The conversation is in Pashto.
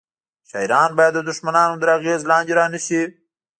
شاعران باید د دښمنانو تر اغیز لاندې رانه شي